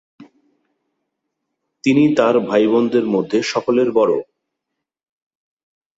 তিনি তার ভাইবোনদের মধ্যে সকলের বড়ো।